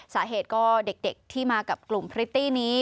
สาเหตุก็เด็กที่มากับกลุ่มพริตตี้นี้